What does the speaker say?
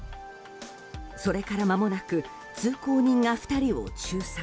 それから間もなく通行人が２人を仲裁。